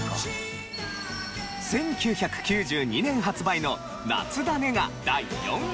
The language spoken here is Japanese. １９９２年発売の『夏だね』が第４位。